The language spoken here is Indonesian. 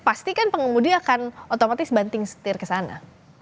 pastikan pengemudi akan otomatis banting setir ke sana